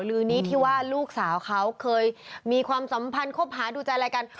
ลือนี้ที่ว่าลูกสาวเขาเคยมีความสัมพันธ์คบหาดูใจอะไรกัน